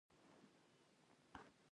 تاریخ به خپله قصه ووايي.